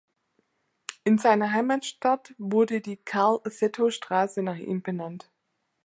In seiner Heimatstadt wurde die "Carl-Cetto-Straße" nach ihm benannt.